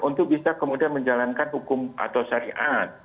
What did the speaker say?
untuk bisa kemudian menjalankan hukum atau syariat